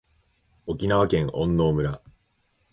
沖縄県恩納村